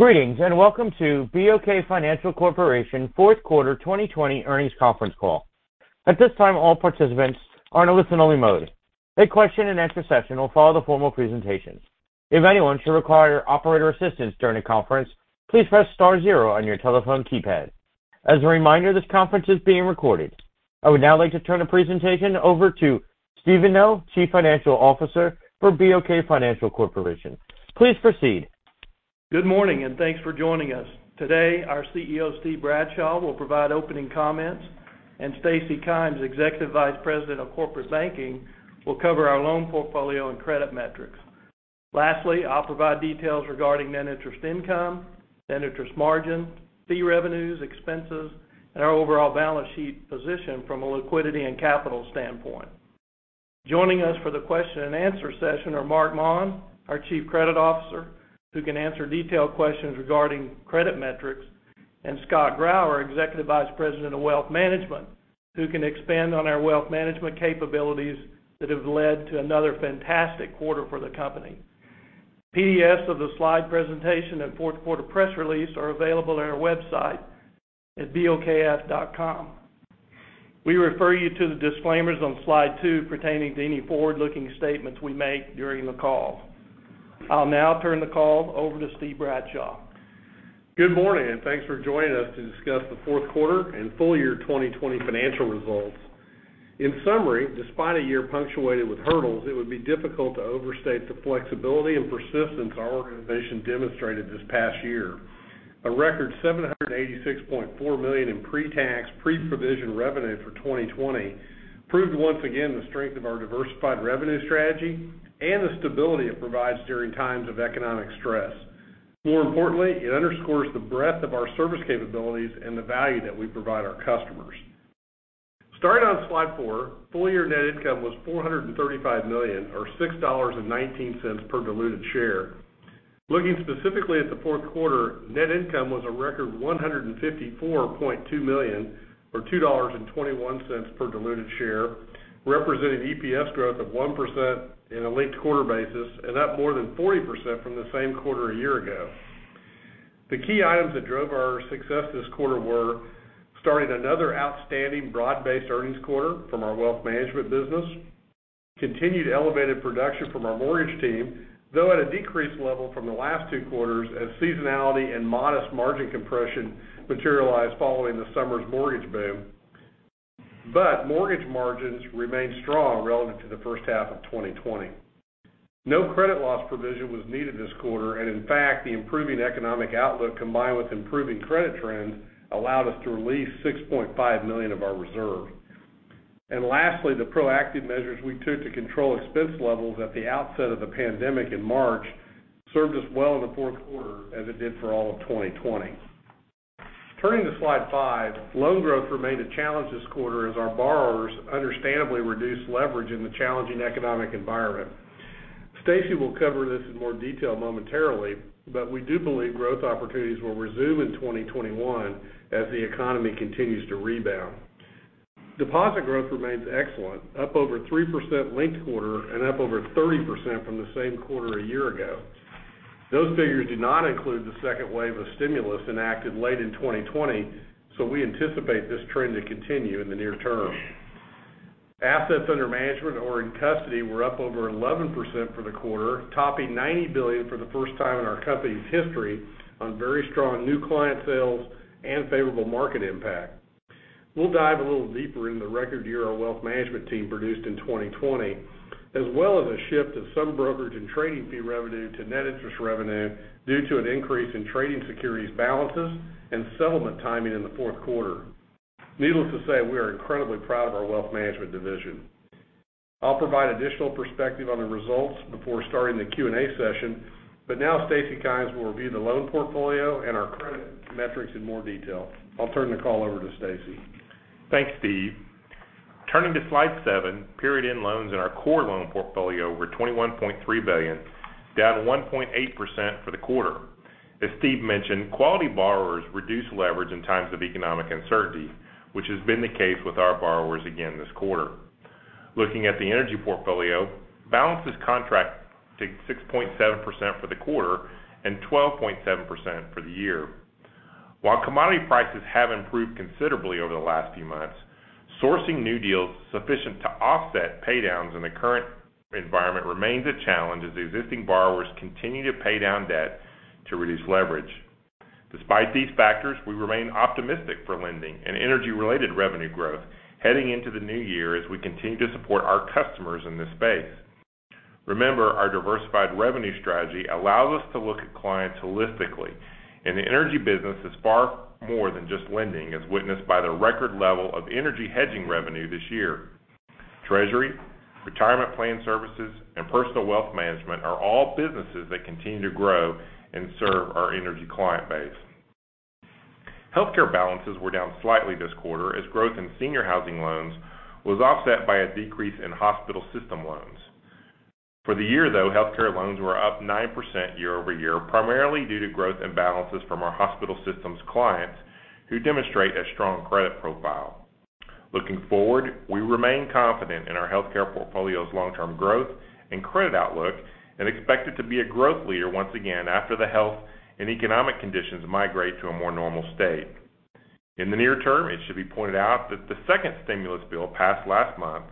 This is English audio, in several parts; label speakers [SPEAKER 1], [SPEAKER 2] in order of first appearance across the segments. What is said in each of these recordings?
[SPEAKER 1] Greetings, and welcome to BOK Financial Corporation fourth quarter 2020 earnings conference call. I would now like to turn the presentation over to Steven Nell, Chief Financial Officer for BOK Financial Corporation. Please proceed.
[SPEAKER 2] Good morning, and thanks for joining us. Today, our CEO, Steve Bradshaw, will provide opening comments, and Stacy Kymes, Executive Vice President of Corporate Banking, will cover our loan portfolio and credit metrics. Lastly, I'll provide details regarding net interest income, net interest margin, fee revenues, expenses, and our overall balance sheet position from a liquidity and capital standpoint. Joining us for the question and answer session are Marc Maun, our Chief Credit Officer, who can answer detailed questions regarding credit metrics, and Scott Grauer, our Executive Vice President of Wealth Management, who can expand on our wealth management capabilities that have led to another fantastic quarter for the company. PDFs of the slide presentation and fourth quarter press release are available on our website at bokf.com. We refer you to the disclaimers on slide two pertaining to any forward-looking statements we make during the call. I'll now turn the call over to Steve Bradshaw.
[SPEAKER 3] Good morning, and thanks for joining us to discuss the fourth quarter and full year 2020 financial results. In summary, despite a year punctuated with hurdles, it would be difficult to overstate the flexibility and persistence our organization demonstrated this past year. A record $786.4 million in pre-tax, pre-provision revenue for 2020 proved once again the strength of our diversified revenue strategy and the stability it provides during times of economic stress. More importantly, it underscores the breadth of our service capabilities and the value that we provide our customers. Starting on slide four, full year net income was $435 million, or $6.19 per diluted share. Looking specifically at the fourth quarter, net income was a record $154.2 million, or $2.21 per diluted share, representing EPS growth of 1% in a linked quarter basis and up more than 40% from the same quarter a year ago. The key items that drove our success this quarter were starting another outstanding broad-based earnings quarter from our wealth management business, continued elevated production from our mortgage team, though at a decreased level from the last two quarters as seasonality and modest margin compression materialized following the summer's mortgage boom. Mortgage margins remained strong relative to the first half of 2020. No credit loss provision was needed this quarter, and in fact, the improving economic outlook, combined with improving credit trends, allowed us to release $6.5 million of our reserve. Lastly, the proactive measures we took to control expense levels at the outset of the pandemic in March served us well in the fourth quarter, as it did for all of 2020. Turning to slide five, loan growth remained a challenge this quarter as our borrowers understandably reduced leverage in the challenging economic environment. Stacy will cover this in more detail momentarily, but we do believe growth opportunities will resume in 2021 as the economy continues to rebound. Deposit growth remains excellent, up over 3% linked quarter and up over 30% from the same quarter a year ago. Those figures do not include the second wave of stimulus enacted late in 2020, so we anticipate this trend to continue in the near term. Assets under management or in custody were up over 11% for the quarter, topping $90 billion for the first time in our company's history on very strong new client sales and favorable market impact. We'll dive a little deeper into the record year our wealth management team produced in 2020, as well as a shift of some brokerage and trading fee revenue to net interest revenue due to an increase in trading securities balances and settlement timing in the fourth quarter. Needless to say, we are incredibly proud of our wealth management division. I'll provide additional perspective on the results before starting the Q&A session. Now Stacy Kymes will review the loan portfolio and our credit metrics in more detail. I'll turn the call over to Stacy.
[SPEAKER 4] Thanks, Steve. Turning to slide seven, period-end loans in our core loan portfolio were $21.3 billion, down 1.8% for the quarter. As Steve mentioned, quality borrowers reduce leverage in times of economic uncertainty, which has been the case with our borrowers again this quarter. Looking at the energy portfolio, balances contracted 6.7% for the quarter and 12.7% for the year. While commodity prices have improved considerably over the last few months, sourcing new deals sufficient to offset pay downs in the current environment remains a challenge as existing borrowers continue to pay down debt to reduce leverage. Despite these factors, we remain optimistic for lending and energy-related revenue growth heading into the new year as we continue to support our customers in this space. Remember, our diversified revenue strategy allows us to look at clients holistically, and the energy business is far more than just lending, as witnessed by the record level of energy hedging revenue this year. Treasury, retirement plan services, and personal wealth management are all businesses that continue to grow and serve our energy client base. Healthcare balances were down slightly this quarter as growth in senior housing loans was offset by a decrease in hospital system loans. For the year, though, healthcare loans were up 9% year-over-year, primarily due to growth in balances from our hospital systems clients who demonstrate a strong credit profile. Looking forward, we remain confident in our healthcare portfolio's long-term growth and credit outlook, and expect it to be a growth leader once again after the health and economic conditions migrate to a more normal state. In the near term, it should be pointed out that the second stimulus bill passed last month,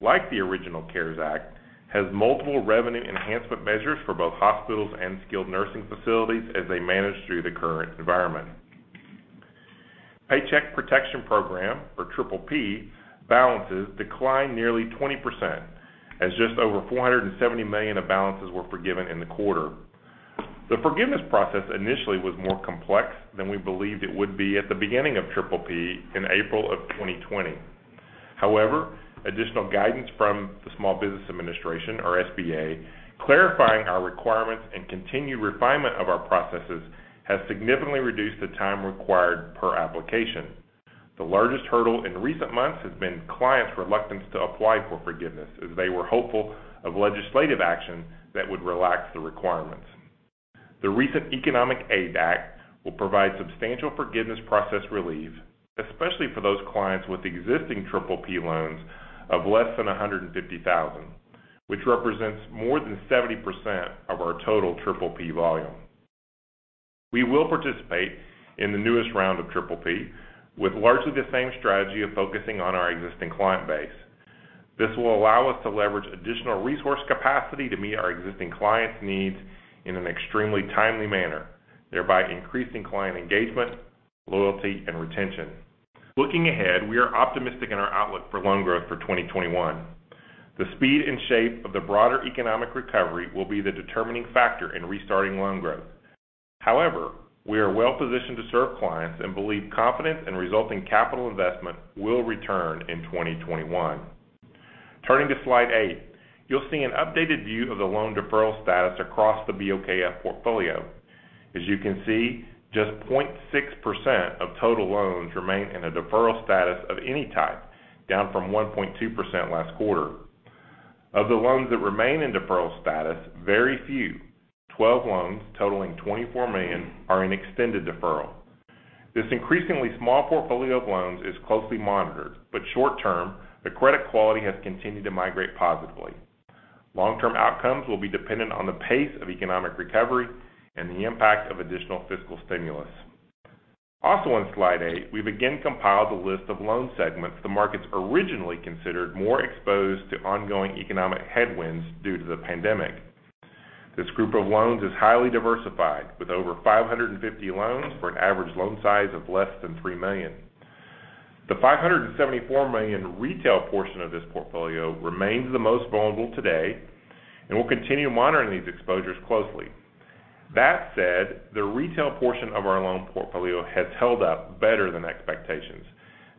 [SPEAKER 4] like the original CARES Act, has multiple revenue enhancement measures for both hospitals and skilled nursing facilities as they manage through the current environment. Paycheck Protection Program, or PPP, balances declined nearly 20%, as just over $470 million of balances were forgiven in the quarter. The forgiveness process initially was more complex than we believed it would be at the beginning of PPP in April of 2020. However, additional guidance from the Small Business Administration, or SBA, clarifying our requirements and continued refinement of our processes has significantly reduced the time required per application. The largest hurdle in recent months has been clients' reluctance to apply for forgiveness, as they were hopeful of legislative action that would relax the requirements. The recent Economic Aid Act will provide substantial forgiveness process relief, especially for those clients with existing PPP loans of less than $150,000, which represents more than 70% of our total PPP volume. We will participate in the newest round of PPP with largely the same strategy of focusing on our existing client base. This will allow us to leverage additional resource capacity to meet our existing clients' needs in an extremely timely manner, thereby increasing client engagement, loyalty, and retention. Looking ahead, we are optimistic in our outlook for loan growth for 2021. The speed and shape of the broader economic recovery will be the determining factor in restarting loan growth. However, we are well-positioned to serve clients and believe confidence and resulting capital investment will return in 2021. Turning to slide eight, you'll see an updated view of the loan deferral status across the BOK Financial Corporation portfolio. As you can see, just 0.6% of total loans remain in a deferral status of any type, down from 1.2% last quarter. Of the loans that remain in deferral status, very few, 12 loans totaling $24 million, are in extended deferral. This increasingly small portfolio of loans is closely monitored, but short term, the credit quality has continued to migrate positively. Long-term outcomes will be dependent on the pace of economic recovery and the impact of additional fiscal stimulus. Also on slide eight, we've again compiled a list of loan segments the markets originally considered more exposed to ongoing economic headwinds due to the pandemic. This group of loans is highly diversified, with over 550 loans for an average loan size of less than three million. The $574 million retail portion of this portfolio remains the most vulnerable today, and we'll continue monitoring these exposures closely. That said, the retail portion of our loan portfolio has held up better than expectations,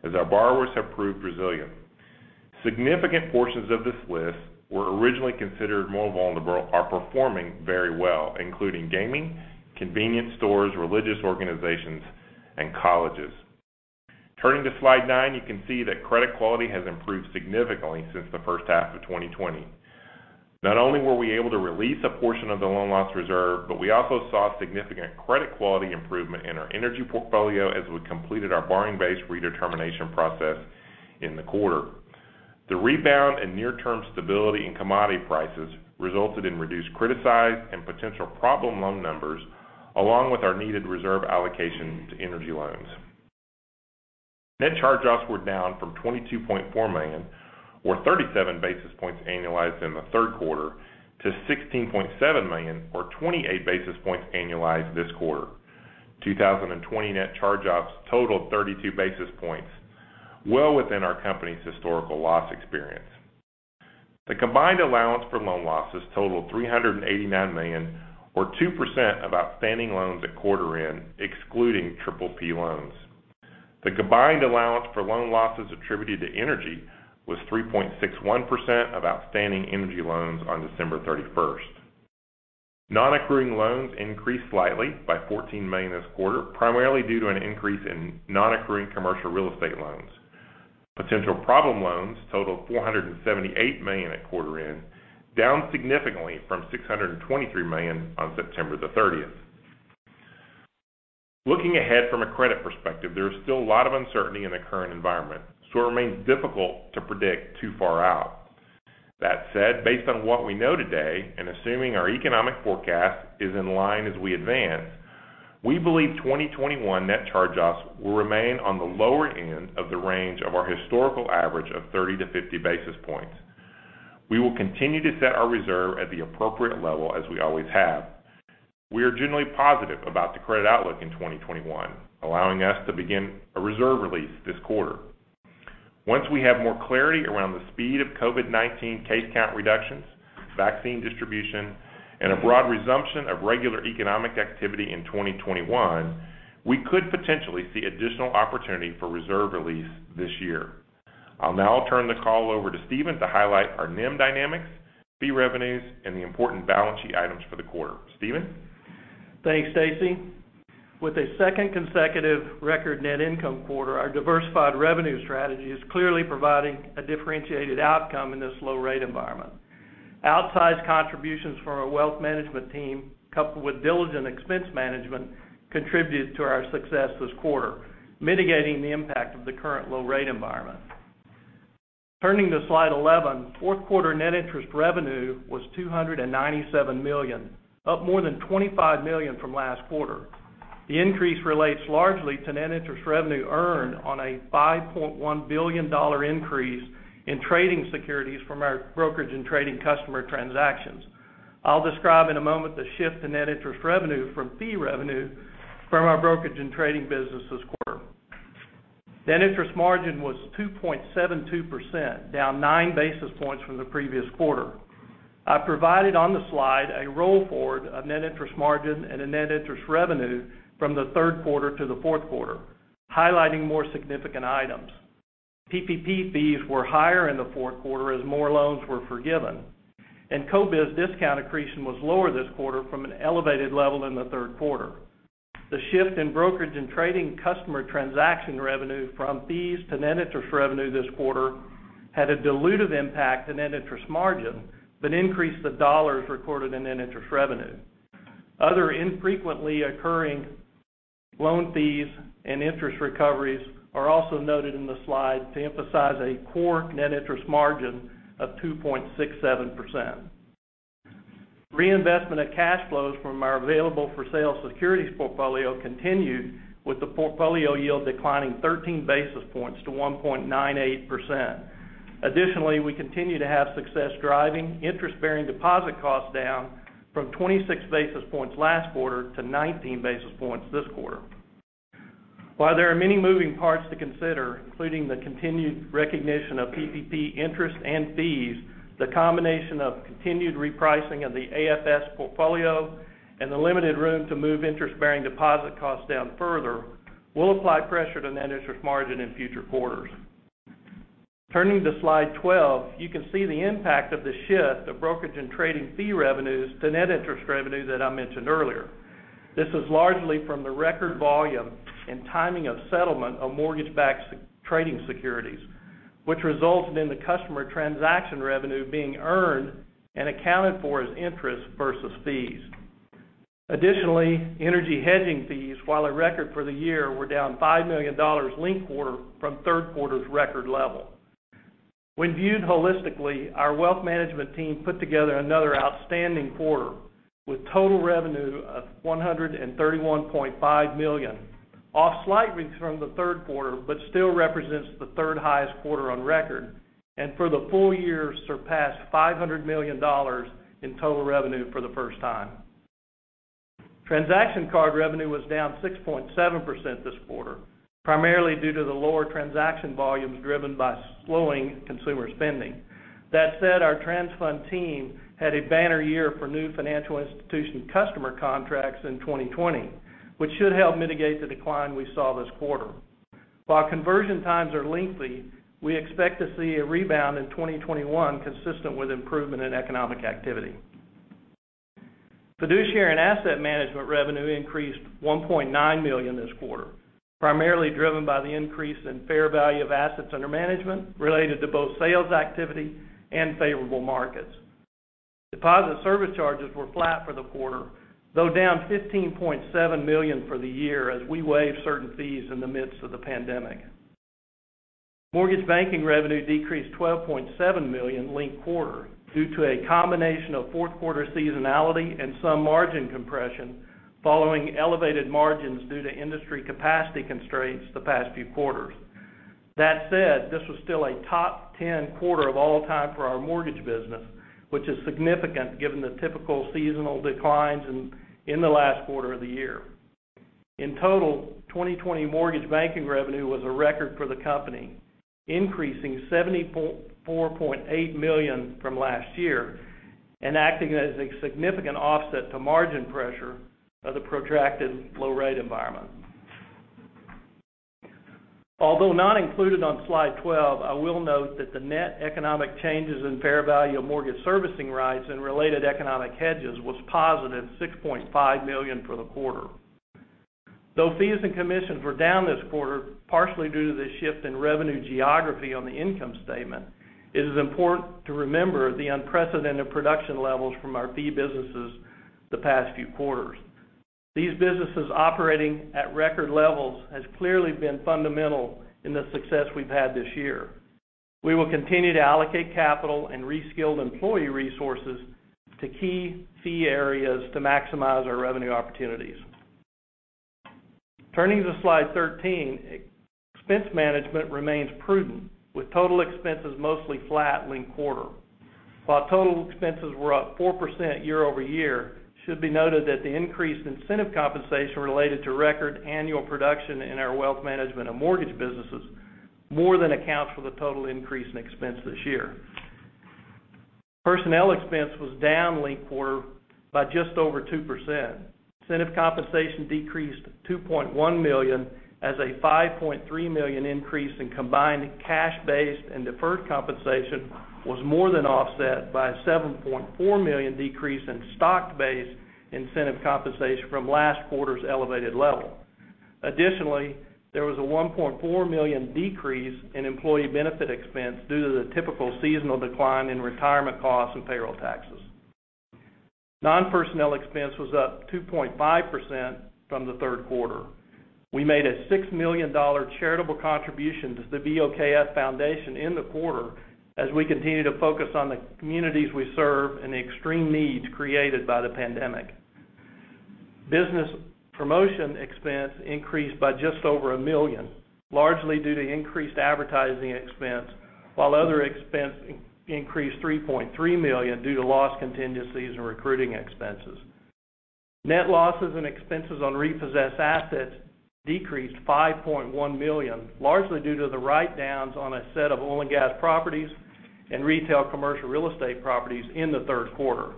[SPEAKER 4] as our borrowers have proved resilient. Significant portions of this list were originally considered more vulnerable are performing very well, including gaming, convenience stores, religious organizations, and colleges. Turning to slide nine, you can see that credit quality has improved significantly since the first half of 2020. Not only were we able to release a portion of the loan loss reserve, but we also saw significant credit quality improvement in our energy portfolio as we completed our borrowing base redetermination process in the quarter. The rebound and near-term stability in commodity prices resulted in reduced criticized and potential problem loan numbers, along with our needed reserve allocation to energy loans. Net charge-offs were down from $22.4 million, or 37 basis points annualized in the third quarter, to $16.7 million, or 28 basis points annualized this quarter. 2020 net charge-offs totaled 32 basis points, well within our company's historical loss experience. The combined allowance for loan losses totaled $389 million, or 2% of outstanding loans at quarter end, excluding PPP loans. The combined allowance for loan losses attributed to energy was 3.61% of outstanding energy loans on December 31st. Non-accruing loans increased slightly by $14 million this quarter, primarily due to an increase in non-accruing commercial real estate loans. Potential problem loans totaled $478 million at quarter end, down significantly from $623 million on September 30th. Looking ahead from a credit perspective, there is still a lot of uncertainty in the current environment, so it remains difficult to predict too far out. That said, based on what we know today, and assuming our economic forecast is in line as we advance, we believe 2021 net charge-offs will remain on the lower end of the range of our historical average of 30 basis points-50 basis points. We will continue to set our reserve at the appropriate level, as we always have. We are generally positive about the credit outlook in 2021, allowing us to begin a reserve release this quarter. Once we have more clarity around the speed of COVID-19 case count reductions, vaccine distribution, and a broad resumption of regular economic activity in 2021, we could potentially see additional opportunity for reserve release this year. I'll now turn the call over to Steven to highlight our NIM dynamics, fee revenues, and the important balance sheet items for the quarter. Steven?
[SPEAKER 2] Thanks, Stacy Kymes. With a second consecutive record net income quarter, our diversified revenue strategy is clearly providing a differentiated outcome in this low rate environment. Outsized contributions from our wealth management team, coupled with diligent expense management, contributed to our success this quarter, mitigating the impact of the current low rate environment. Turning to slide 11, fourth quarter net interest revenue was $297 million, up more than $25 million from last quarter. The increase relates largely to net interest revenue earned on a $5.1 billion increase in trading securities from our brokerage and trading customer transactions. I'll describe in a moment the shift in net interest revenue from fee revenue from our brokerage and trading business this quarter. Net interest margin was 2.72%, down nine basis points from the previous quarter. I provided on the slide a roll forward of net interest margin and net interest revenue from the third quarter to the fourth quarter, highlighting more significant items. PPP fees were higher in the fourth quarter as more loans were forgiven, and CoBiz discount accretion was lower this quarter from an elevated level in the third quarter. The shift in brokerage and trading customer transaction revenue from fees to net interest revenue this quarter had a dilutive impact to net interest margin, but increased the dollars recorded in net interest revenue. Other infrequently occurring loan fees and interest recoveries are also noted in the slide to emphasize a core net interest margin of 2.67%. Reinvestment of cash flows from our available for sale securities portfolio continued with the portfolio yield declining 13 basis points to 1.98%. Additionally, we continue to have success driving interest-bearing deposit costs down from 26 basis points last quarter to 19 basis points this quarter. While there are many moving parts to consider, including the continued recognition of PPP interest and fees, the combination of continued repricing of the AFS portfolio and the limited room to move interest-bearing deposit costs down further will apply pressure to net interest margin in future quarters. Turning to slide 12, you can see the impact of the shift of brokerage and trading fee revenues to net interest revenue that I mentioned earlier. This is largely from the record volume and timing of settlement of mortgage-backed trading securities, which resulted in the customer transaction revenue being earned and accounted for as interest versus fees. Additionally, energy hedging fees, while a record for the year, were down $5 million linked quarter from third quarter's record level. When viewed holistically, our wealth management team put together another outstanding quarter with total revenue of $131.5 million, off slightly from the third quarter, but still represents the third highest quarter on record, and for the full year, surpassed $500 million in total revenue for the first time. Transaction card revenue was down 6.7% this quarter, primarily due to the lower transaction volumes driven by slowing consumer spending. That said, our TransFund team had a banner year for new financial institution customer contracts in 2020, which should help mitigate the decline we saw this quarter. While conversion times are lengthy, we expect to see a rebound in 2021 consistent with improvement in economic activity. Fiduciary and asset management revenue increased $1.9 million this quarter, primarily driven by the increase in fair value of assets under management related to both sales activity and favorable markets. Deposit service charges were flat for the quarter, though down $15.7 million for the year as we waived certain fees in the midst of the pandemic. Mortgage banking revenue decreased $12.7 million linked quarter due to a combination of fourth quarter seasonality and some margin compression following elevated margins due to industry capacity constraints the past few quarters. That said, this was still a top 10 quarter of all time for our mortgage business, which is significant given the typical seasonal declines in the last quarter of the year. In total, 2020 mortgage banking revenue was a record for the company, increasing $74.8 million from last year and acting as a significant offset to margin pressure of the protracted low rate environment. Although not included on slide 12, I will note that the net economic changes in fair value of mortgage servicing rights and related economic hedges was positive $6.5 million for the quarter. Fees and commissions were down this quarter, partially due to the shift in revenue geography on the income statement, it is important to remember the unprecedented production levels from our fee businesses the past few quarters. These businesses operating at record levels has clearly been fundamental in the success we've had this year. We will continue to allocate capital and re-skilled employee resources to key fee areas to maximize our revenue opportunities. Turning to slide 13, expense management remains prudent, with total expenses mostly flat linked quarter. While total expenses were up 4% year-over-year, it should be noted that the increased incentive compensation related to record annual production in our wealth management and mortgage businesses more than accounts for the total increase in expense this year. Personnel expense was down linked quarter by just over 2%. Incentive compensation decreased $2.1 million as a $5.3 million increase in combined cash-based and deferred compensation was more than offset by a $7.4 million decrease in stock-based incentive compensation from last quarter's elevated level. Additionally, there was a $1.4 million decrease in employee benefit expense due to the typical seasonal decline in retirement costs and payroll taxes. Non-personnel expense was up 2.5% from the third quarter. We made a $6 million charitable contribution to the BOK Financial Corporation Foundation in the quarter as we continue to focus on the communities we serve and the extreme needs created by the pandemic. Business promotion expense increased by just over $1 million, largely due to increased advertising expense, while other expense increased $3.3 million due to loss contingencies and recruiting expenses. Net losses and expenses on repossessed assets decreased $5.1 million, largely due to the write-downs on a set of oil and gas properties and retail commercial real estate properties in the third quarter.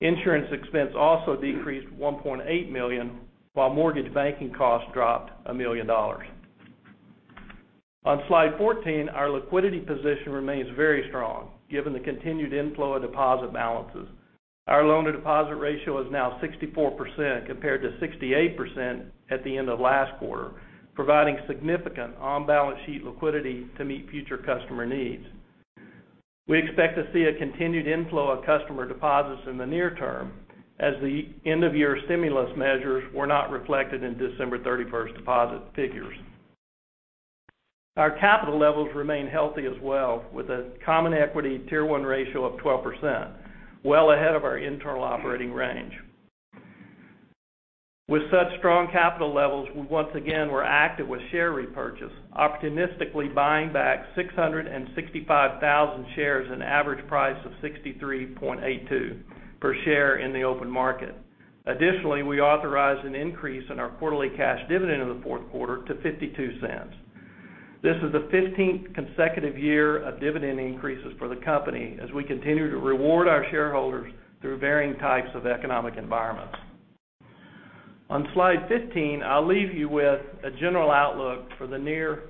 [SPEAKER 2] Insurance expense also decreased $1.8 million, while mortgage banking costs dropped $1 million. On slide 14, our liquidity position remains very strong given the continued inflow of deposit balances. Our loan-to-deposit ratio is now 64%, compared to 68% at the end of last quarter, providing significant on-balance sheet liquidity to meet future customer needs. We expect to see a continued inflow of customer deposits in the near term, as the end-of-year stimulus measures were not reflected in December 31st deposit figures. Our capital levels remain healthy as well, with a common equity Tier 1 ratio of 12%, well ahead of our internal operating range. With such strong capital levels, we once again were active with share repurchase, opportunistically buying back 665,000 shares at an average price of $63.82 per share in the open market. Additionally, we authorized an increase in our quarterly cash dividend in the fourth quarter to $0.52. This is the 15th consecutive year of dividend increases for the company as we continue to reward our shareholders through varying types of economic environments. On slide 15, I'll leave you with a general outlook for the near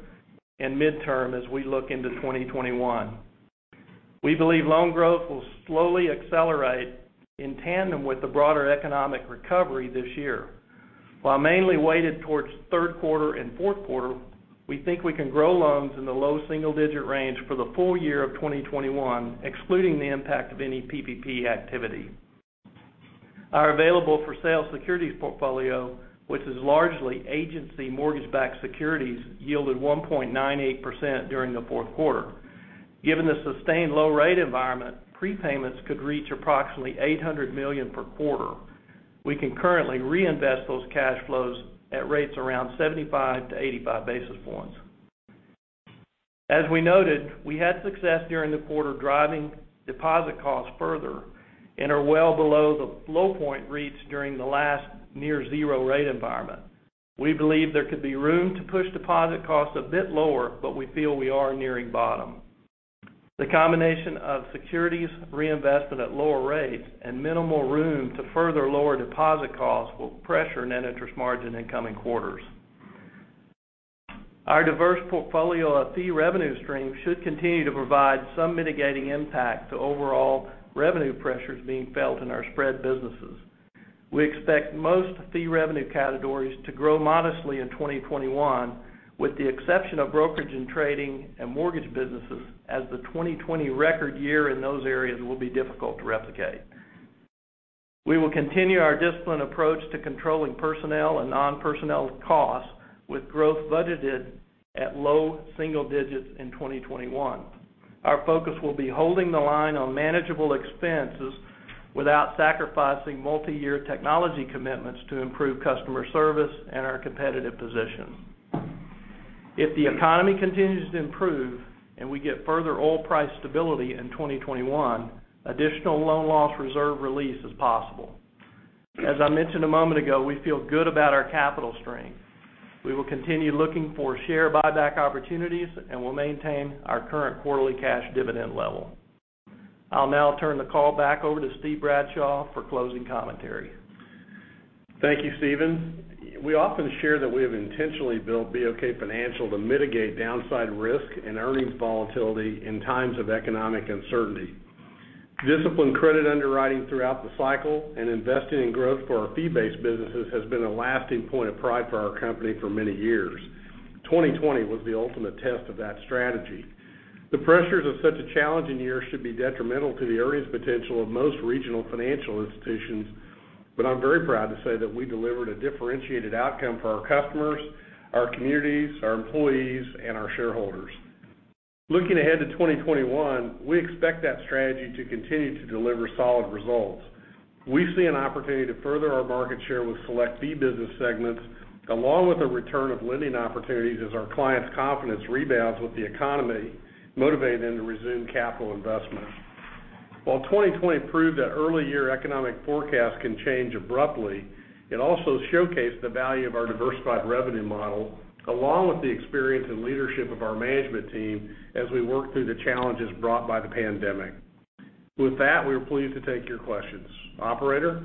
[SPEAKER 2] and midterm as we look into 2021. We believe loan growth will slowly accelerate in tandem with the broader economic recovery this year. While mainly weighted towards third quarter and fourth quarter, we think we can grow loans in the low single-digit range for the full year of 2021, excluding the impact of any PPP activity. Our available-for-sale securities portfolio, which is largely agency mortgage-backed securities, yielded 1.98% during the fourth quarter. Given the sustained low rate environment, prepayments could reach approximately $800 million per quarter. We can currently reinvest those cash flows at rates around 75 basis points-85 basis points. As we noted, we had success during the quarter driving deposit costs further and are well below the low point reached during the last near zero rate environment. We believe there could be room to push deposit costs a bit lower, but we feel we are nearing bottom. The combination of securities reinvestment at lower rates and minimal room to further lower deposit costs will pressure net interest margin in coming quarters. Our diverse portfolio of fee revenue streams should continue to provide some mitigating impact to overall revenue pressures being felt in our spread businesses. We expect most fee revenue categories to grow modestly in 2021, with the exception of brokerage and trading and mortgage businesses, as the 2020 record year in those areas will be difficult to replicate. We will continue our disciplined approach to controlling personnel and non-personnel costs, with growth budgeted at low single digits in 2021. Our focus will be holding the line on manageable expenses without sacrificing multi-year technology commitments to improve customer service and our competitive position. If the economy continues to improve and we get further oil price stability in 2021, additional loan loss reserve release is possible. As I mentioned a moment ago, we feel good about our capital strength. We will continue looking for share buyback opportunities and will maintain our current quarterly cash dividend level. I'll now turn the call back over to Steve Bradshaw for closing commentary.
[SPEAKER 3] Thank you, Steven. We often share that we have intentionally built BOK Financial Corporation to mitigate downside risk and earnings volatility in times of economic uncertainty. Disciplined credit underwriting throughout the cycle and investing in growth for our fee-based businesses has been a lasting point of pride for our company for many years. 2020 was the ultimate test of that strategy. The pressures of such a challenging year should be detrimental to the earnings potential of most regional financial institutions, but I'm very proud to say that we delivered a differentiated outcome for our customers, our communities, our employees, and our shareholders. Looking ahead to 2021, we expect that strategy to continue to deliver solid results. We see an opportunity to further our market share with select fee business segments, along with a return of lending opportunities as our clients' confidence rebounds with the economy, motivating them to resume capital investments. While 2020 proved that early year economic forecasts can change abruptly, it also showcased the value of our diversified revenue model, along with the experience and leadership of our management team as we worked through the challenges brought by the pandemic. With that, we are pleased to take your questions. Operator?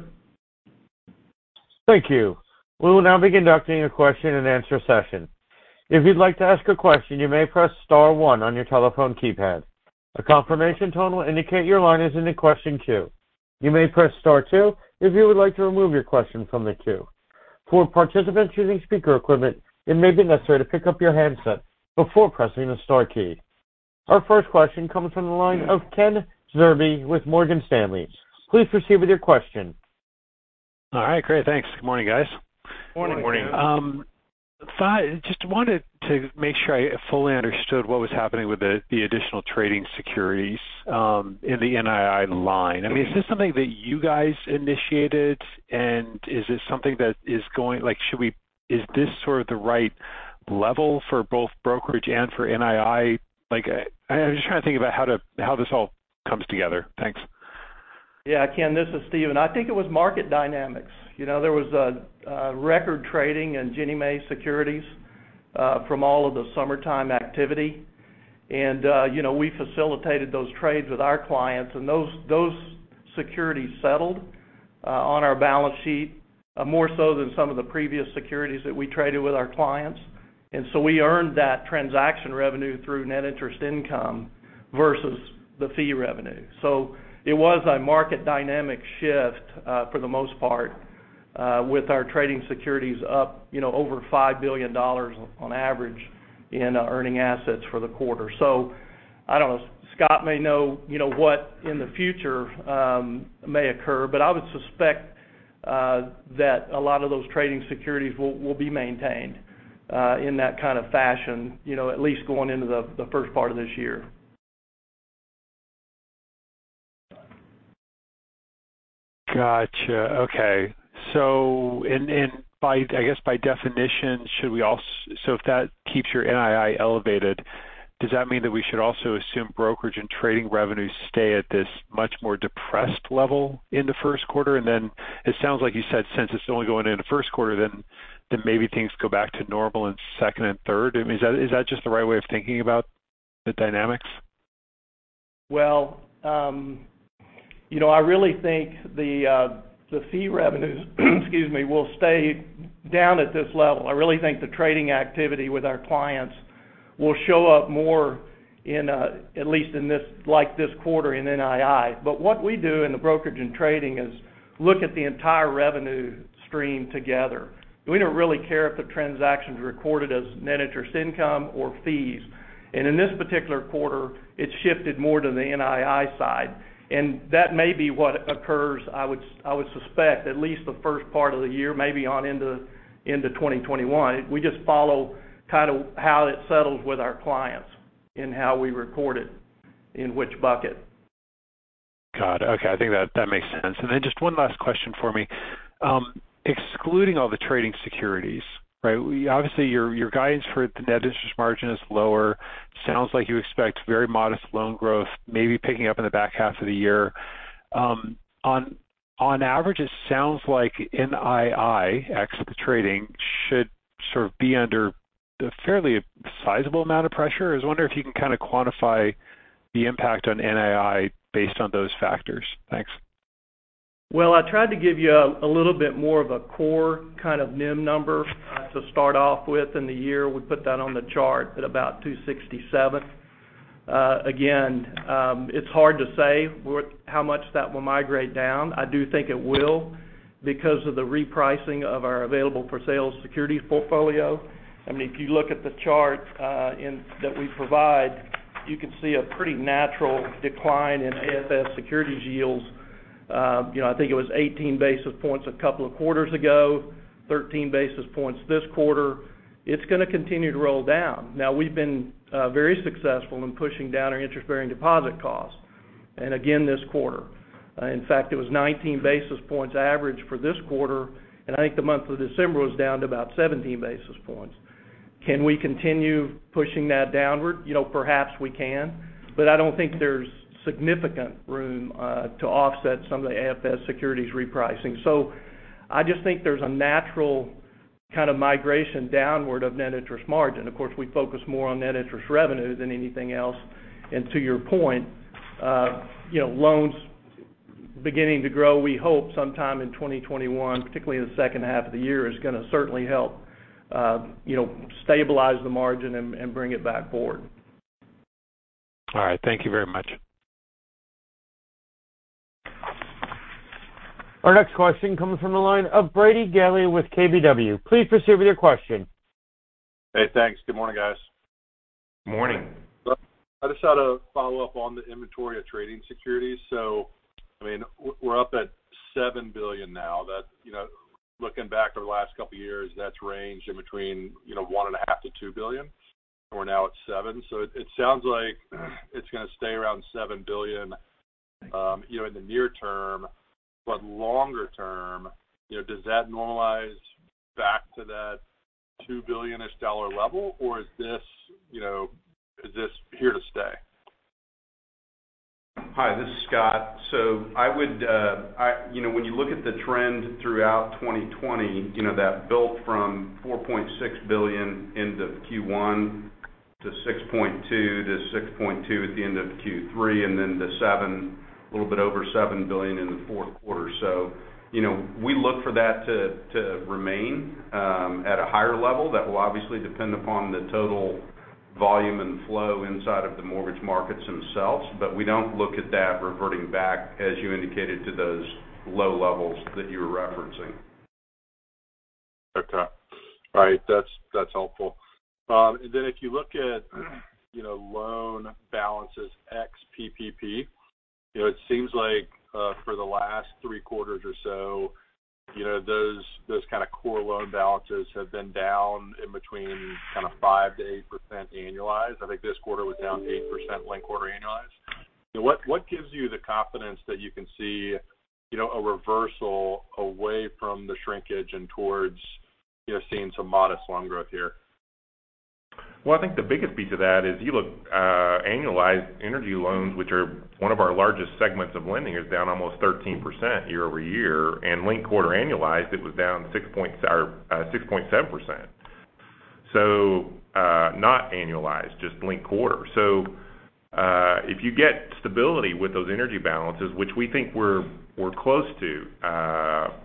[SPEAKER 1] Thank you. We will now be conducting a question and answer session. If you'd like to ask a question, you may press star one on your telephone keypad. A confirmation tone will indicate your line is in the question queue. You may press star two if you would like to remove your question from the queue. For participants using speaker equipment, it may be necessary to pick up your handset before pressing the star key. Our first question comes from the line of Ken Zerbe with Morgan Stanley. Please proceed with your question.
[SPEAKER 5] All right, great. Thanks. Good morning, guys.
[SPEAKER 2] Good morning.
[SPEAKER 5] Just wanted to make sure I fully understood what was happening with the additional trading securities in the NII line. Is this something that you guys initiated, and is this sort of the right level for both brokerage and for NII? I'm just trying to think about how this all comes together. Thanks.
[SPEAKER 2] Yeah, Ken, this is Steven. I think it was market dynamics. There was a record trading in Ginnie Mae securities from all of the summertime activity, and we facilitated those trades with our clients, and those securities settled on our balance sheet more so than some of the previous securities that we traded with our clients. We earned that transaction revenue through net interest income versus the fee revenue. It was a market dynamic shift for the most part with our trading securities up over $5 billion on average in earning assets for the quarter. I don't know. Scott may know what in the future may occur, but I would suspect that a lot of those trading securities will be maintained in that kind of fashion at least going into the first part of this year.
[SPEAKER 5] Got you. Okay. I guess by definition, if that keeps your NII elevated, does that mean that we should also assume brokerage and trading revenues stay at this much more depressed level in the first quarter? It sounds like you said since it's only going into the first quarter, then maybe things go back to normal in second and third. Is that just the right way of thinking about the dynamics?
[SPEAKER 2] Well, I really think the fee revenues will stay down at this level. I really think the trading activity with our clients will show up more, at least like this quarter in NII. What we do in the brokerage and trading is look at the entire revenue stream together. We don't really care if the transaction's recorded as net interest income or fees. In this particular quarter, it shifted more to the NII side. That may be what occurs, I would suspect at least the first part of the year, maybe on into 2021. We just follow how it settles with our clients and how we record it, in which bucket.
[SPEAKER 5] Got it. Okay. I think that makes sense. Just one last question for me. Excluding all the trading securities, obviously your guidance for the net interest margin is lower. Sounds like you expect very modest loan growth, maybe picking up in the back half of the year. On average, it sounds like NII, ex the trading, should sort of be under a fairly sizable amount of pressure. I was wondering if you can kind of quantify the impact on NII based on those factors. Thanks.
[SPEAKER 2] Well, I tried to give you a little bit more of a core kind of NIM number to start off with in the year. We put that on the chart at about 267. It's hard to say how much that will migrate down. I do think it will because of the repricing of our available-for-sale securities portfolio. If you look at the chart that we provide, you can see a pretty natural decline in AFS securities yields. I think it was 18 basis points a couple of quarters ago, 13 basis points this quarter. It's going to continue to roll down. We've been very successful in pushing down our interest-bearing deposit costs, and again this quarter. In fact, it was 19 basis points average for this quarter, and I think the month of December was down to about 17 basis points. Can we continue pushing that downward? Perhaps we can, but I don't think there's significant room to offset some of the AFS securities repricing. I just think there's a natural kind of migration downward of net interest margin. Of course, we focus more on net interest revenue than anything else. To your point, loans beginning to grow we hope sometime in 2021, particularly in the second half of the year, is going to certainly help stabilize the margin and bring it back it back forward.
[SPEAKER 5] All right. Thank you very much.
[SPEAKER 1] Our next question comes from the line of Brady Gailey with KBW. Please proceed with your question.
[SPEAKER 6] Hey, thanks. Good morning, guys.
[SPEAKER 2] Morning.
[SPEAKER 6] I just had a follow-up on the inventory of trading securities. We're up at $7 billion now. Looking back over the last couple of years, that's ranged in between $1.5 billion-$2 billion, and we're now at $7. It sounds like it's going to stay around $7 billion in the near term. Longer term, does that normalize back to that $2 billion-ish level, or is this here to stay?
[SPEAKER 7] Hi, this is Scott. When you look at the trend throughout 2020, that built from $4.6 billion into Q1. To $6.2 billion at the end of Q3, then to a little bit over $7 billion in the fourth quarter. We look for that to remain at a higher level. That will obviously depend upon the total volume and flow inside of the mortgage markets themselves. We don't look at that reverting back, as you indicated, to those low levels that you were referencing.
[SPEAKER 6] Okay. All right. That's helpful. Then if you look at loan balances ex PPP, it seems like for the last three quarters or so, those kind of core loan balances have been down in between kind of 5%-8% annualized. I think this quarter was down 8% linked quarter annualized. What gives you the confidence that you can see a reversal away from the shrinkage and towards seeing some modest loan growth here?
[SPEAKER 4] Well, I think the biggest piece of that is you look annualized energy loans, which are one of our largest segments of lending, is down almost 13% year-over-year. Linked quarter annualized, it was down 6.7%. Not annualized, just linked quarter. If you get stability with those energy balances, which we think we're close to,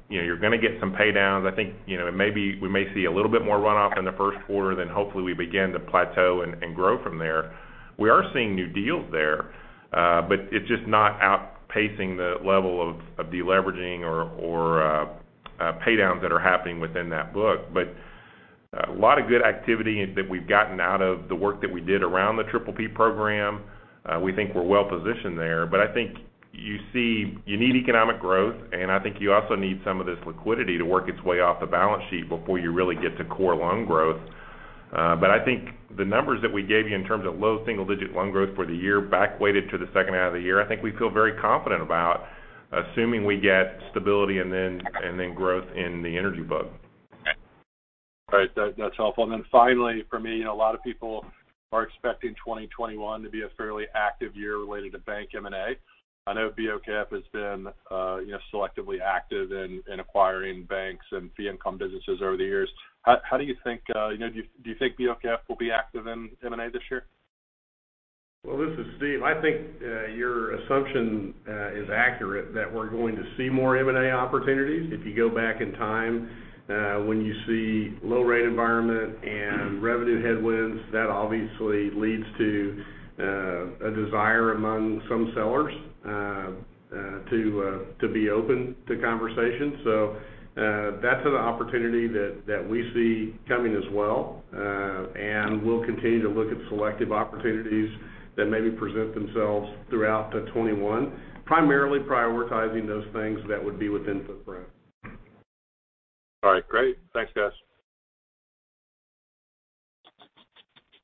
[SPEAKER 4] you're going to get some pay downs. I think we may see a little bit more runoff in the first quarter, then hopefully we begin to plateau and grow from there. We are seeing new deals there. It's just not outpacing the level of de-leveraging or pay downs that are happening within that book. A lot of good activity that we've gotten out of the work that we did around the PPP Program. We think we're well positioned there. I think you need economic growth, and I think you also need some of this liquidity to work its way off the balance sheet before you really get to core loan growth. I think the numbers that we gave you in terms of low single digit loan growth for the year back weighted to the second half of the year, I think we feel very confident about assuming we get stability and then growth in the energy book.
[SPEAKER 6] All right. That's helpful. Finally for me, a lot of people are expecting 2021 to be a fairly active year related to bank M&A. I know BOK Financial Corporation has been selectively active in acquiring banks and fee income businesses over the years. Do you think BOK Financial Corporation will be active in M&A this year?
[SPEAKER 3] Well, this is Steve. I think your assumption is accurate that we're going to see more M&A opportunities. If you go back in time, when you see low rate environment and revenue headwinds, that obviously leads to a desire among some sellers to be open to conversations. That's an opportunity that we see coming as well. We'll continue to look at selective opportunities that maybe present themselves throughout the 2021, primarily prioritizing those things that would be within footprint.
[SPEAKER 6] All right, great. Thanks, guys.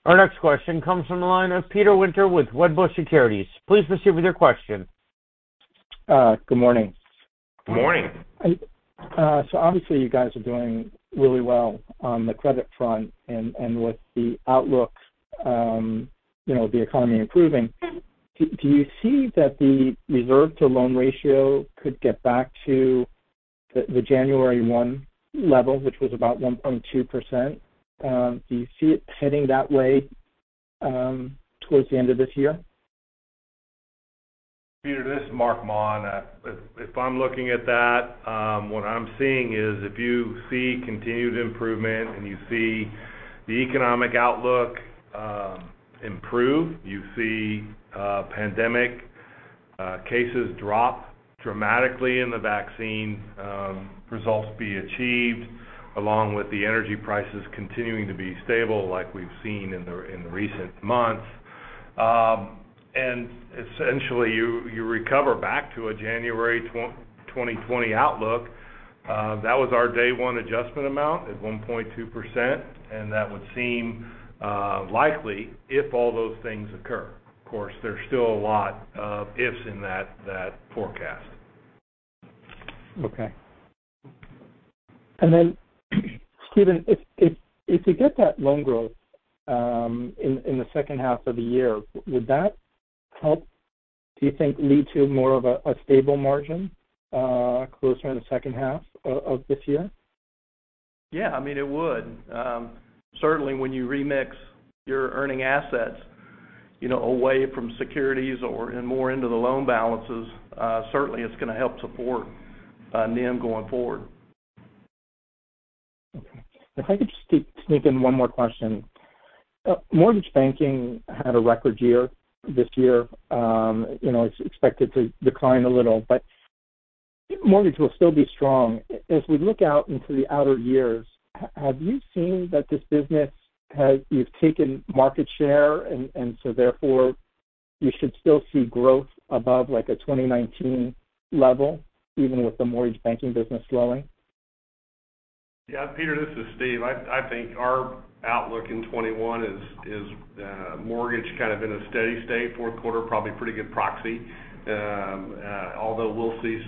[SPEAKER 1] Our next question comes from the line of Peter Winter with Wedbush Securities. Please proceed with your question.
[SPEAKER 8] Good morning.
[SPEAKER 4] Morning.
[SPEAKER 8] Obviously you guys are doing really well on the credit front and with the outlook, the economy improving. Do you see that the reserve to loan ratio could get back to the January 1 level, which was about 1.2%? Do you see it heading that way towards the end of this year?
[SPEAKER 9] Peter, this is Marc Maun. If I'm looking at that, what I'm seeing is if you see continued improvement and you see the economic outlook improve, you see pandemic cases drop dramatically, the vaccine results be achieved, along with the energy prices continuing to be stable like we've seen in the recent months. Essentially, you recover back to a January 2020 outlook. That was our day one adjustment amount at 1.2%. That would seem likely if all those things occur. Of course, there's still a lot of ifs in that forecast.
[SPEAKER 8] Okay. Then Steven, if you get that loan growth in the second half of the year, would that help, do you think, lead to more of a stable margin closer to the second half of this year?
[SPEAKER 2] Yeah, it would. Certainly, when you remix your earning assets away from securities and more into the loan balances, certainly it's going to help support NIM going forward.
[SPEAKER 8] Okay. If I could just sneak in one more question. Mortgage banking had a record year this year. It's expected to decline a little, but mortgage will still be strong. As we look out into the outer years, have you seen that this business has taken market share, and so therefore you should still see growth above like a 2019 level, even with the mortgage banking business slowing?
[SPEAKER 3] Yeah, Peter, this is Steve. I think our outlook in 2021 is mortgage kind of in a steady state. Fourth quarter, probably a pretty good proxy. Although we'll see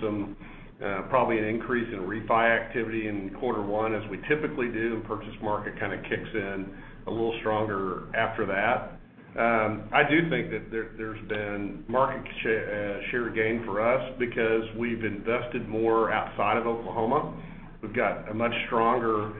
[SPEAKER 3] probably an increase in refi activity in quarter one as we typically do, and purchase market kind of kicks in a little stronger after that. I do think that there's been market share gain for us because we've invested more outside of Oklahoma. We've got a much stronger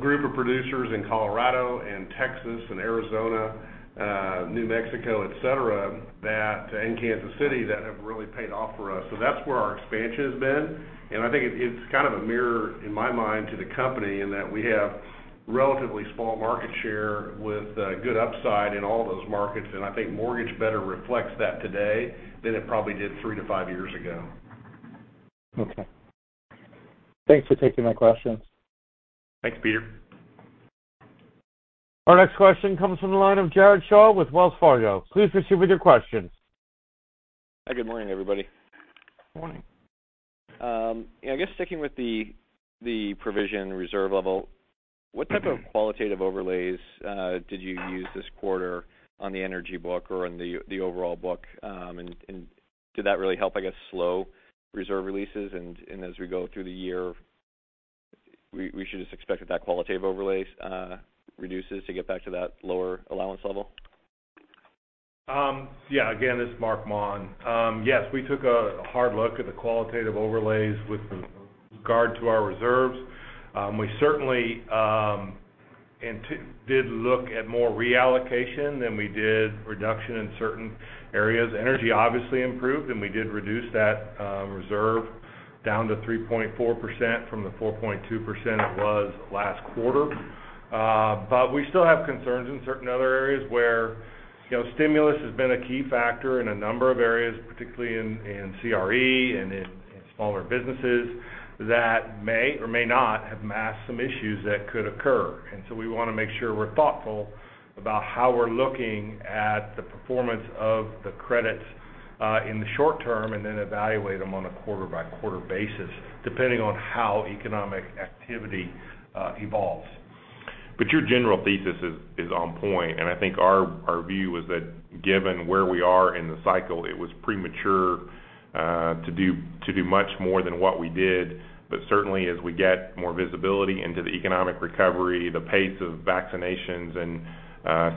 [SPEAKER 3] group of producers in Colorado and Texas and Arizona, New Mexico, et cetera, and Kansas City that have really paid off for us. That's where our expansion has been, and I think it's kind of a mirror, in my mind, to the company in that we have relatively small market share with good upside in all those markets. I think mortgage better reflects that today than it probably did three to five years ago.
[SPEAKER 8] Okay. Thanks for taking my questions.
[SPEAKER 3] Thanks, Peter.
[SPEAKER 1] Our next question comes from the line of Jared Shaw with Wells Fargo. Please proceed with your question.
[SPEAKER 10] Hi, good morning, everybody.
[SPEAKER 3] Morning.
[SPEAKER 10] I guess sticking with the provision reserve level, what type of qualitative overlays did you use this quarter on the energy book or on the overall book? Did that really help, I guess, slow reserve releases? As we go through the year, we should just expect that qualitative overlays reduces to get back to that lower allowance level?
[SPEAKER 9] Again, this is Marc Maun. We took a hard look at the qualitative overlays with regard to our reserves. We certainly did look at more reallocation than we did reduction in certain areas. Energy obviously improved, and we did reduce that reserve down to 3.4% from the 4.2% it was last quarter. We still have concerns in certain other areas where stimulus has been a key factor in a number of areas, particularly in CRE and in smaller businesses that may or may not have masked some issues that could occur. We want to make sure we're thoughtful about how we're looking at the performance of the credits in the short term, and then evaluate them on a quarter-by-quarter basis, depending on how economic activity evolves.
[SPEAKER 4] Your general thesis is on point, and I think our view is that given where we are in the cycle, it was premature to do much more than what we did. Certainly as we get more visibility into the economic recovery, the pace of vaccinations, and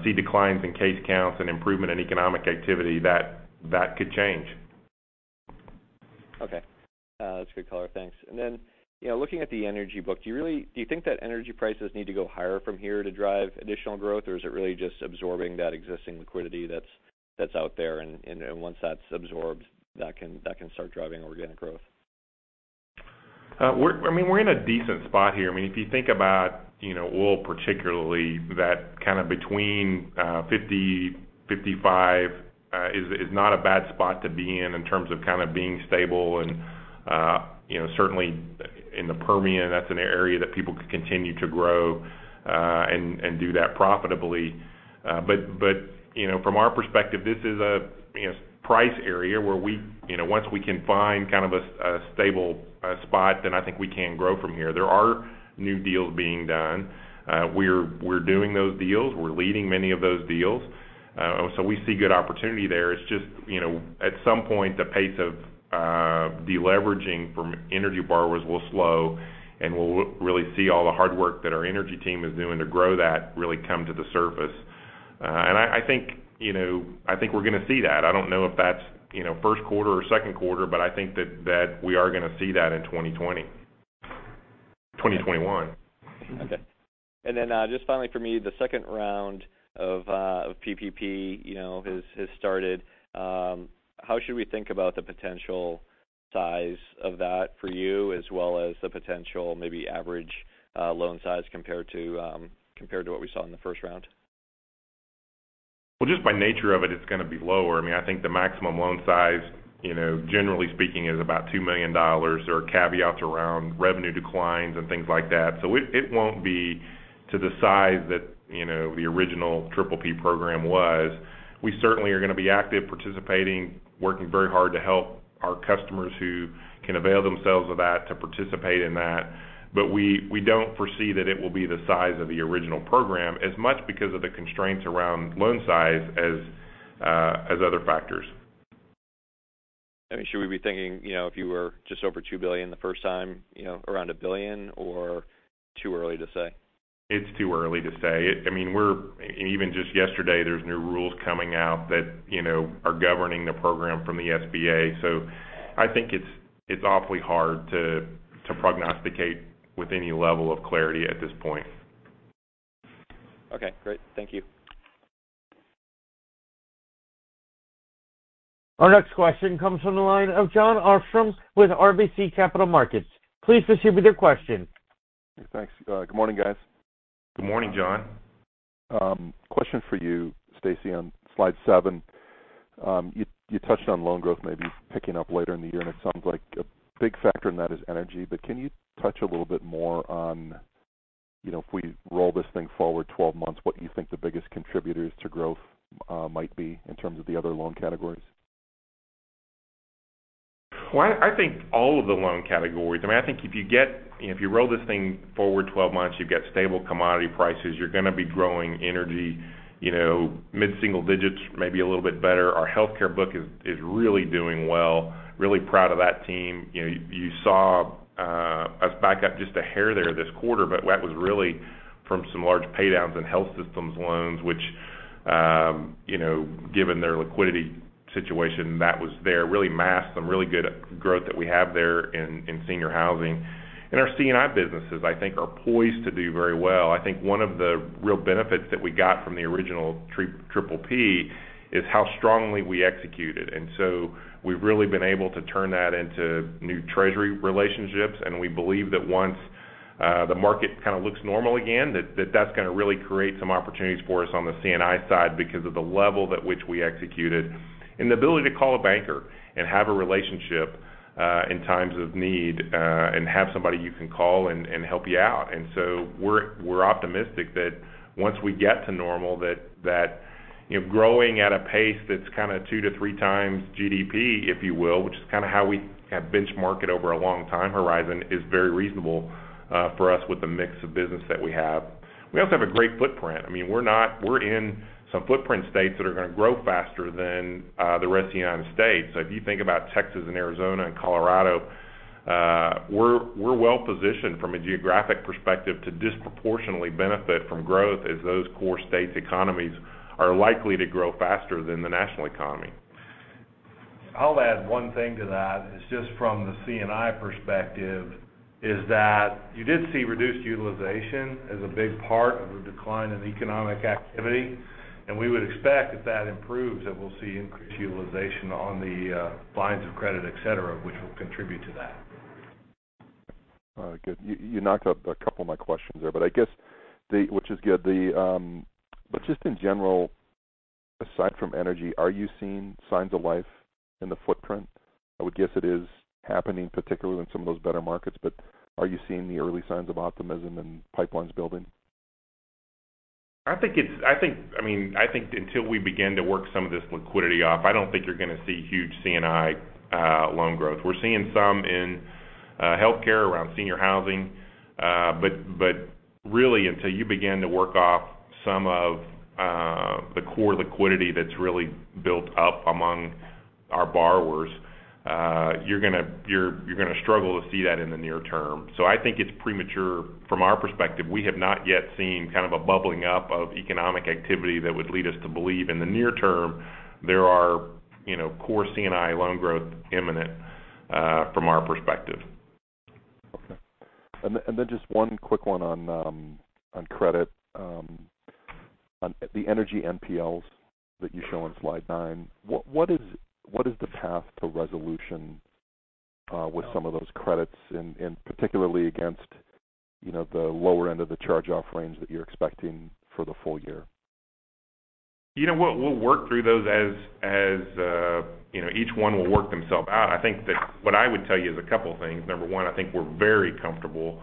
[SPEAKER 4] see declines in case counts and improvement in economic activity, that could change.
[SPEAKER 10] Okay. That's a good color. Thanks. Then looking at the energy book, do you think that energy prices need to go higher from here to drive additional growth, or is it really just absorbing that existing liquidity that's out there, and once that's absorbed, that can start driving organic growth?
[SPEAKER 4] We're in a decent spot here. If you think about oil particularly, that kind of between 50, 55 is not a bad spot to be in in terms of kind of being stable and certainly in the Permian, that's an area that people could continue to grow and do that profitably. From our perspective, this is a price area where once we can find kind of a stable spot, then I think we can grow from here. There are new deals being done. We're doing those deals. We're leading many of those deals. We see good opportunity there. It's just at some point, the pace of deleveraging from energy borrowers will slow, and we'll really see all the hard work that our energy team is doing to grow that really come to the surface. I think we're going to see that. I don't know if that's first quarter or second quarter, but I think that we are going to see that in 2021.
[SPEAKER 10] Okay. Then just finally for me, the second round of PPP has started. How should we think about the potential size of that for you as well as the potential maybe average loan size compared to what we saw in the first round?
[SPEAKER 4] Well, just by nature of it's going to be lower. I think the maximum loan size, generally speaking, is about $2 million. There are caveats around revenue declines and things like that. It won't be to the size that the original PPP program was. We certainly are going to be active, participating, working very hard to help our customers who can avail themselves of that to participate in that. We don't foresee that it will be the size of the original program as much because of the constraints around loan size as other factors.
[SPEAKER 10] Should we be thinking if you were just over $2 billion the first time, around $1 billion, or too early to say?
[SPEAKER 4] It's too early to say. Even just yesterday, there's new rules coming out that are governing the program from the SBA. I think it's awfully hard to prognosticate with any level of clarity at this point.
[SPEAKER 10] Okay, great. Thank you.
[SPEAKER 1] Our next question comes from the line of Jon Arfstrom with RBC Capital Markets. Please proceed with your question.
[SPEAKER 11] Thanks. Good morning, guys.
[SPEAKER 3] Good morning, Jon.
[SPEAKER 11] Question for you, Stacy, on slide seven. You touched on loan growth maybe picking up later in the year, and it sounds like a big factor in that is energy. But can you touch a little bit more on if we roll this thing forward 12 months, what you think the biggest contributors to growth might be in terms of the other loan categories?
[SPEAKER 4] Well, I think all of the loan categories. I think if you roll this thing forward 12 months, you've got stable commodity prices, you're going to be growing energy mid-single digits, maybe a little bit better. Our healthcare book is really doing well. Really proud of that team. You saw us back up just a hair there this quarter, but that was really from some large paydowns in health systems loans, which given their liquidity situation that was there really masked some really good growth that we have there in senior housing. Our C&I businesses, I think are poised to do very well. I think one of the real benefits that we got from the original PPP is how strongly we executed. We've really been able to turn that into new treasury relationships, and we believe that once the market kind of looks normal again, that's going to really create some opportunities for us on the C&I side because of the level that which we executed, and the ability to call a banker and have a relationship in times of need, and have somebody you can call and help you out. We're optimistic that once we get to normal, that growing at a pace that's kind of two to three times GDP, if you will, which is kind of how we kind of benchmark it over a long time horizon, is very reasonable for us with the mix of business that we have. We also have a great footprint. We're in some footprint states that are going to grow faster than the rest of the U.S. If you think about Texas and Arizona and Colorado, we're well-positioned from a geographic perspective to disproportionately benefit from growth as those core states' economies are likely to grow faster than the national economy.
[SPEAKER 3] I'll add one thing to that, is just from the C&I perspective, is that you did see reduced utilization as a big part of the decline in economic activity. We would expect if that improves, that we'll see increased utilization on the lines of credit, et cetera, which will contribute to that.
[SPEAKER 11] All right, good. You knocked out a couple of my questions there, which is good. Just in general, aside from energy, are you seeing signs of life in the footprint? I would guess it is happening, particularly in some of those better markets, but are you seeing the early signs of optimism and pipelines building?
[SPEAKER 4] I think until we begin to work some of this liquidity off, I don't think you're going to see huge C&I loan growth. We're seeing some in healthcare around senior housing. Really until you begin to work off some of the core liquidity that's really built up among our borrowers, you're going to struggle to see that in the near term. I think it's premature from our perspective. We have not yet seen kind of a bubbling up of economic activity that would lead us to believe in the near term, there are core C&I loan growth imminent, from our perspective.
[SPEAKER 11] Okay. Just one quick one on credit. On the energy NPLs that you show on slide nine, what is the path to resolution with some of those credits and particularly against the lower end of the charge-off range that you're expecting for the full year?
[SPEAKER 4] We'll work through those as each one will work themselves out. I think that what I would tell you is a couple things. Number one, I think we're very comfortable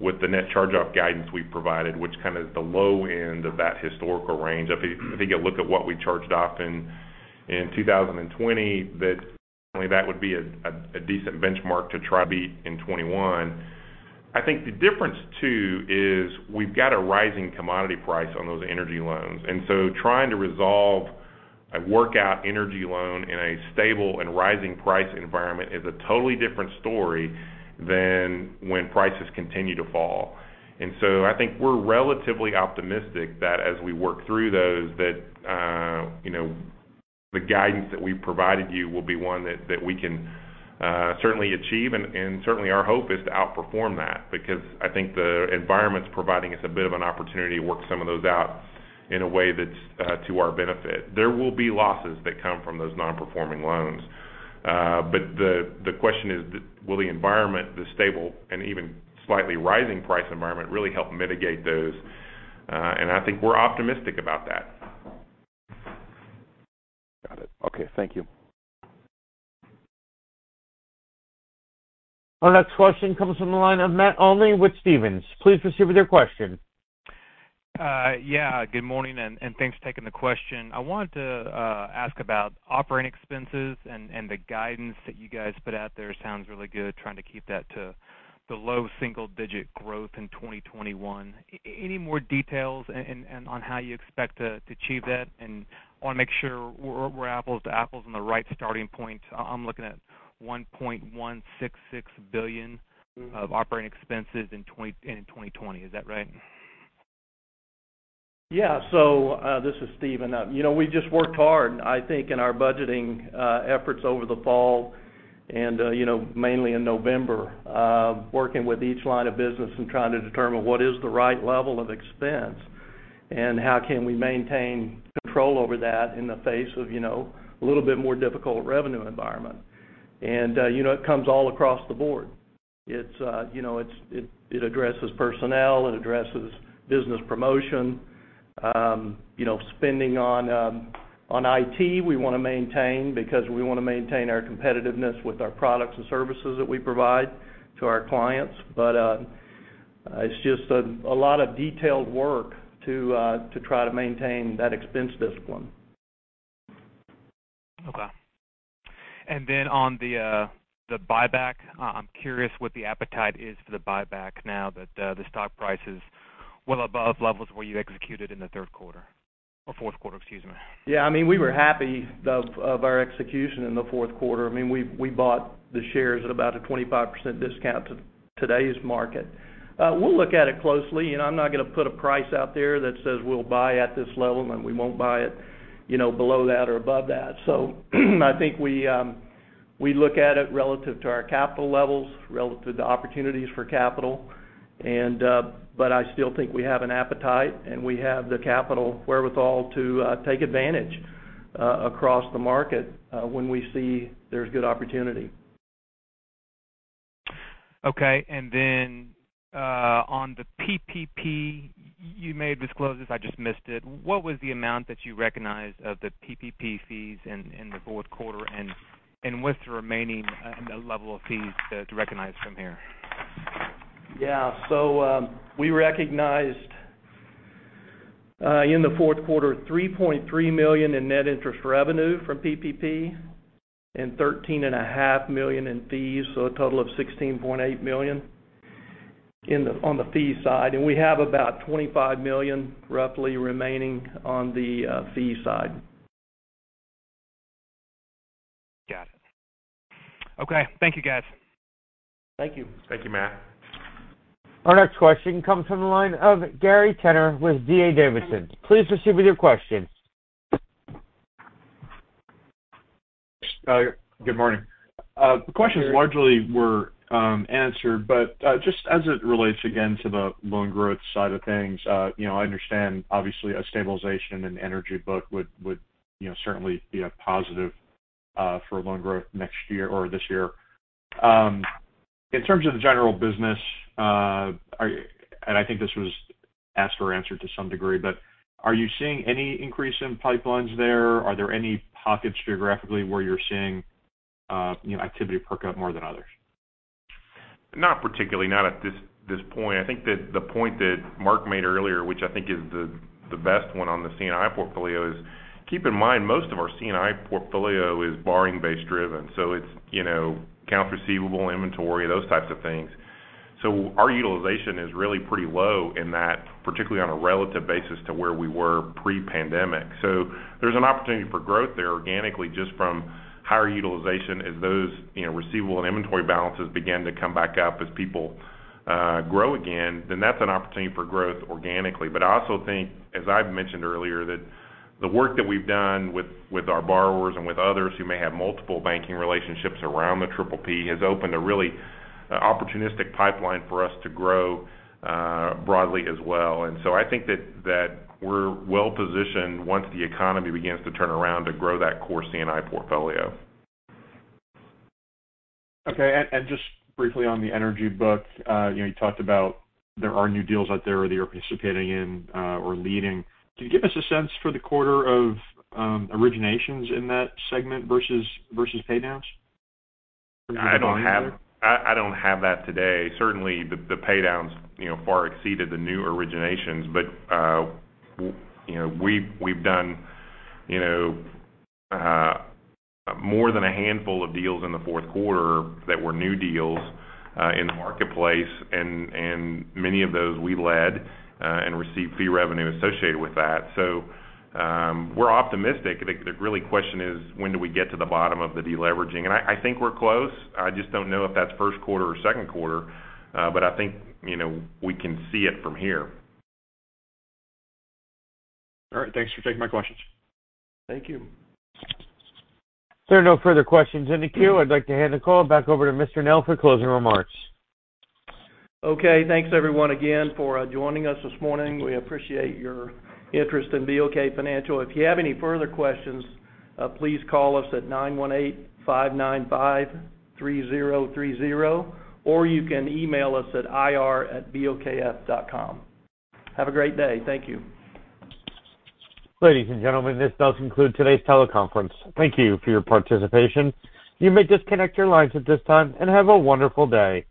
[SPEAKER 4] with the net charge-off guidance we've provided, which kind of is the low end of that historical range. If you get a look at what we charged off in 2020, that would be a decent benchmark to try to beat in 2021. I think the difference, too, is we've got a rising commodity price on those energy loans. Trying to resolve a workout energy loan in a stable and rising price environment is a totally different story than when prices continue to fall. I think we're relatively optimistic that as we work through those, that the guidance that we've provided you will be one that we can certainly achieve, and certainly our hope is to outperform that because I think the environment's providing us a bit of an opportunity to work some of those out in a way that's to our benefit. There will be losses that come from those non-performing loans. The question is, will the environment, the stable and even slightly rising price environment, really help mitigate those? I think we're optimistic about that.
[SPEAKER 11] Got it. Okay. Thank you.
[SPEAKER 1] Our next question comes from the line of Matt Olney with Stephens. Please proceed with your question.
[SPEAKER 12] Yeah. Good morning, and thanks for taking the question. I wanted to ask about operating expenses and the guidance that you guys put out there sounds really good, trying to keep that to the low single-digit growth in 2021. Any more details on how you expect to achieve that? I want to make sure we're apples to apples on the right starting point. I'm looking at $1.166 billion of operating expenses in 2020. Is that right?
[SPEAKER 2] This is Steven Nell. We just worked hard, I think, in our budgeting efforts over the fall and mainly in November, working with each line of business and trying to determine what is the right level of expense and how can we maintain control over that in the face of a little bit more difficult revenue environment. It comes all across the board. It addresses personnel, it addresses business promotion, spending on IT, we want to maintain because we want to maintain our competitiveness with our products and services that we provide to our clients. It's just a lot of detailed work to try to maintain that expense discipline.
[SPEAKER 12] Okay. On the buyback, I'm curious what the appetite is for the buyback now that the stock price is well above levels where you executed in the third quarter, or fourth quarter, excuse me?
[SPEAKER 2] Yeah, we were happy of our execution in the fourth quarter. We bought the shares at about a 25% discount to today's market. We'll look at it closely. I'm not going to put a price out there that says we'll buy at this level and we won't buy it below that or above that. I think. We look at it relative to our capital levels, relative to opportunities for capital. I still think we have an appetite, and we have the capital wherewithal to take advantage across the market when we see there's good opportunity.
[SPEAKER 12] On the PPP, you may have disclosed this, I just missed it. What was the amount that you recognized of the PPP fees in the fourth quarter, and what's the remaining level of fees to recognize from here?
[SPEAKER 2] Yeah. We recognized in the fourth quarter, $3.3 million in net interest revenue from PPP and $13.5 million in fees, so a total of $16.8 million on the fee side. We have about $25 million roughly remaining on the fee side.
[SPEAKER 12] Got it. Okay. Thank you, guys.
[SPEAKER 2] Thank you.
[SPEAKER 4] Thank you, Matt.
[SPEAKER 1] Our next question comes from the line of Gary Tenner with D.A. Davidson. Please proceed with your question.
[SPEAKER 13] Good morning. The questions largely were answered, but just as it relates again to the loan growth side of things, I understand obviously a stabilization in energy book would certainly be a positive for loan growth this year. In terms of the general business, and I think this was asked or answered to some degree, but are you seeing any increase in pipelines there? Are there any pockets geographically where you're seeing activity perk up more than others?
[SPEAKER 4] Not particularly, not at this point. I think that the point that Marc made earlier, which I think is the best one on the C&I portfolio is, keep in mind, most of our C&I portfolio is borrowing base-driven, so it's accounts receivable, inventory, those types of things. Our utilization is really pretty low in that, particularly on a relative basis to where we were pre-pandemic. There's an opportunity for growth there organically just from higher utilization as those receivable and inventory balances begin to come back up as people grow again. That's an opportunity for growth organically. I also think, as I've mentioned earlier, that the work that we've done with our borrowers and with others who may have multiple banking relationships around the PPP has opened a really opportunistic pipeline for us to grow broadly as well. I think that we're well-positioned once the economy begins to turn around to grow that core C&I portfolio.
[SPEAKER 13] Okay. Just briefly on the energy book, you talked about there are new deals out there that you're participating in or leading. Can you give us a sense for the quarter of originations in that segment versus pay downs from a volume there?
[SPEAKER 4] I don't have that today. Certainly, the pay downs far exceeded the new originations. We've done more than a handful of deals in the fourth quarter that were new deals in the marketplace, and many of those we led and received fee revenue associated with that. We're optimistic. Really the question is, when do we get to the bottom of the deleveraging? I think we're close. I just don't know if that's first quarter or second quarter. I think we can see it from here.
[SPEAKER 13] All right. Thanks for taking my questions.
[SPEAKER 2] Thank you.
[SPEAKER 1] If there are no further questions in the queue, I'd like to hand the call back over to Mr. Nell for closing remarks.
[SPEAKER 2] Okay. Thanks everyone again for joining us this morning. We appreciate your interest in BOK Financial Corporation. If you have any further questions, please call us at 918-595-3030, or you can email us at ir@bokf.com. Have a great day. Thank you.
[SPEAKER 1] Ladies and gentlemen, this does conclude today's teleconference. Thank you for your participation. You may disconnect your lines at this time, and have a wonderful day.